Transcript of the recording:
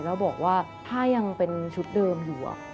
แล้วบอกว่าถ้ายังเป็นชุดเดิมอยู่